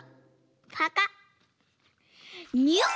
パカッニュッ。